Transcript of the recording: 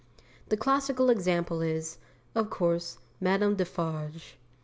The classical example is, of course, Madame Defarge.